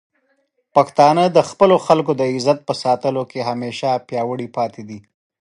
پښتانه د خپلو خلکو د عزت په ساتلو کې همیشه پیاوړي پاتې دي.